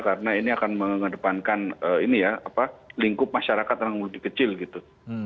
karena ini akan mengedepankan lingkup masyarakat yang lebih kecil gitu